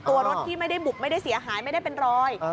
ตัวรถที่ไม่ได้บุบไม่ได้เสียหายไม่ได้เป็นรอย